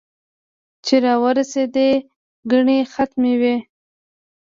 چې را ورېسېدې ګنې ختم وې